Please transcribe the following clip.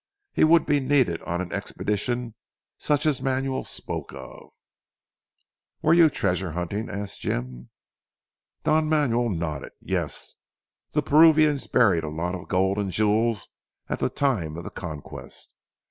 He would be needed on an expedition such as Manuel spoke of. "Were you treasure hunting" asked Jim. Don Manuel nodded "Yes! The Peruvians buried a lot of gold and jewels, at the time of the Conquest.